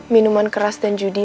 minuman keras dan judi